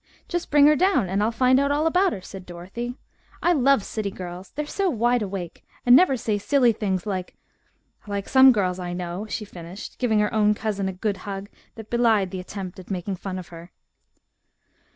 "Just bring her down and I'll find out all about her," said Dorothy. "I love city girls. They are so wide awake, and never say silly things like like some girls I know," she finished, giving her own cousin a good hug that belied the attempt at making fun of her.